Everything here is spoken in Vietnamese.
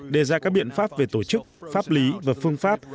đề ra các biện pháp về tổ chức pháp lý và phương pháp